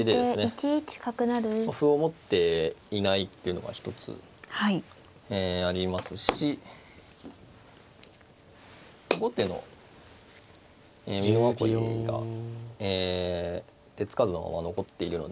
歩を持っていないっていうのが一つえありますし後手の美濃囲いがえ手付かずのまま残っているので。